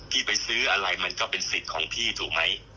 ไปซื้ออะไรมันก็เป็นสิทธิ์ของพี่ถูกไหม